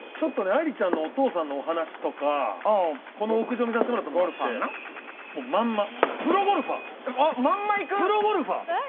愛理ちゃんのお父さんの話とか、この屋上を見さしてもらって、まんまプロゴルファー。